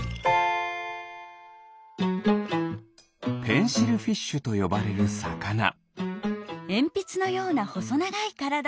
ペンシルフィッシュとよばれるサカナ。